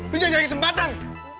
lu jangan nyari sempatan